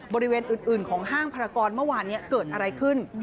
บริเวณอื่นของห้างภารกรเมื่อวานนี้เกิดอะไรขึ้น